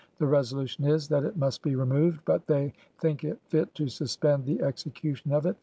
The resolution is — That it must be removed, but they thinke it fitt to suspend the execution of it